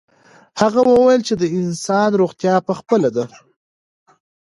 هغه وویل چې د انسان روغتیا په خپله ده.